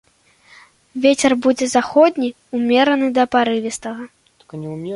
Вецер будзе заходні ўмераны да парывістага.